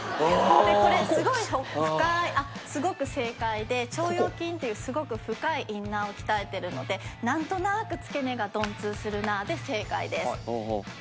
これすごい深いあっすごく正解で腸腰筋っていうすごく深いインナーを鍛えてるので「なんとなく付け根が鈍痛するなあ」で正解です。